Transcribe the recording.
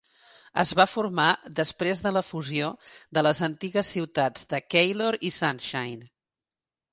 Es va formar després de la fusió de les antigues ciutats de Keilor i Sunshine.